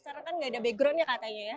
karena kan nggak ada background nya katanya ya